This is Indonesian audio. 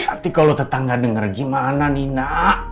nanti kalau tetangga denger gimana lina